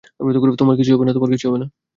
তোমার কিছু হবে না!